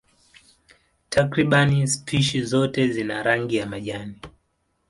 Takriban spishi zote zina rangi ya majani.